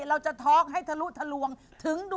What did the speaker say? เราจะท้องให้ทะลุทะลวง